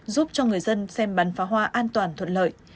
giúp cho người dân xem bắn phá hoa an toàn thuận lợi